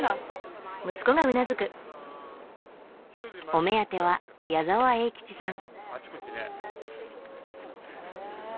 お目当ては矢沢永吉さん。